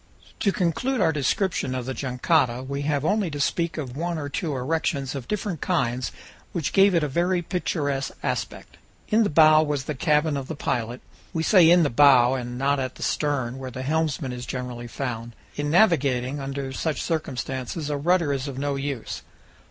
To conclude our description of the jangada, we have only to speak of one or two erections of different kinds which gave it a very picturesque aspect. In the bow was the cabin of the pilot we say in the bow, and not at the stern, where the helmsman is generally found. In navigating under such circumstances a rudder is of no use.